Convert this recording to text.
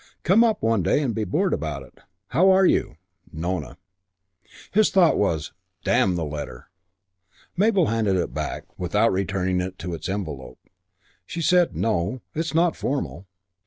Come up one day and be bored about it. How are you? Nona. His thought was, "Damn the letter!" Mabel handed it back, without returning it to its envelope. She said, "No, it's not formal."